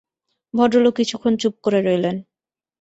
ভদ্রলোক কিছুক্ষণ চুপ করে রইলেন।